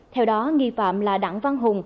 theo đó nghi phạm là đảng văn hùng